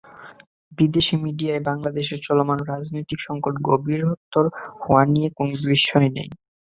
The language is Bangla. বিদেশি মিডিয়ায় বাংলাদেশের চলমান রাজনৈতিক সংকট গভীরতর হওয়া নিয়ে কোনো বিস্ময় নেই।